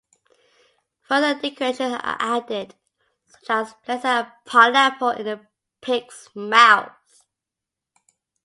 Further decorations are added such as placing a pineapple in the pig's mouth.